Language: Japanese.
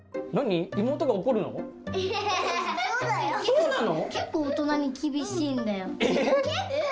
そうなの？